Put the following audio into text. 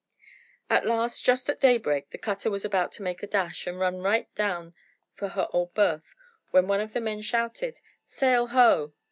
At last, just at daybreak, the cutter was about to make a dash, and run right down for her old berth, when one of the men shouted "Sail ho!"